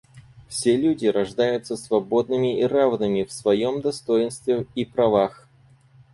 Все люди рождаются свободными и равными в своем достоинстве и правах.